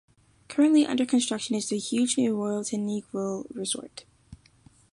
Currently under construction is the huge new Royalton Negril Resort.